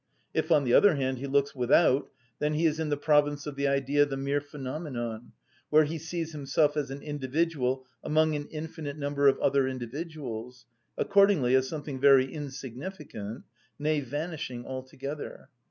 If, on the other hand, he looks without, then he is in the province of the idea the mere phenomenon, where he sees himself as an individual among an infinite number of other individuals, accordingly as something very insignificant, nay, vanishing altogether.